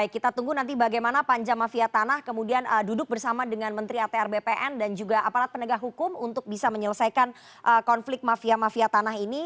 kita tunggu nanti bagaimana panja mafia tanah kemudian duduk bersama dengan menteri atr bpn dan juga aparat penegak hukum untuk bisa menyelesaikan konflik mafia mafia tanah ini